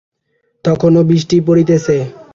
তখনো বৃষ্টি পড়িতেছে।